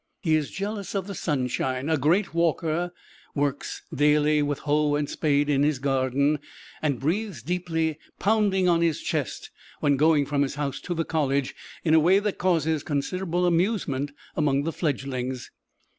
He is jealous of the sunshine a great walker works daily with hoe and spade in his garden; and breathes deeply, pounding on his chest, when going from his house to the college, in a way that causes considerable amusement among the fledglings.